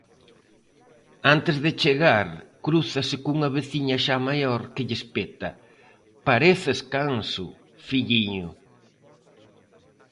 Antes de chegar crúzase cunha veciña xa maior que lle espeta: –Pareces canso, filliño!